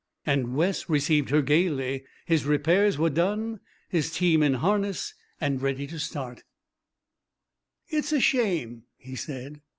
And Wes received her gayly. His repairs were done, his team in harness, ready to start. "It's a shame," he said.